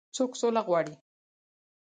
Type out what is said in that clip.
څوک سوله غواړي.